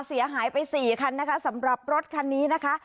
เสียหายไป๔คันนะคะสำหรับรถคันนี้นะคะ